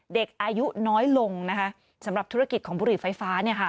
เด็กอายุน้อยลงนะคะสำหรับธุรกิจของบุหรี่ไฟฟ้าเนี่ยค่ะ